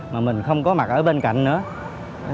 mà mình không có mặt ở bên cạnh nữa